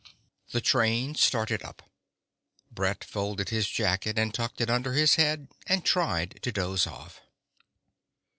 The train started up. Brett folded his jacket and tucked it under his head and tried to doze off....